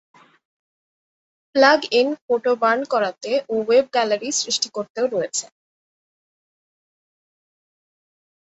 Plug-in photo burn করাতে ও web gallery সৃষ্টি করতেও রয়েছে।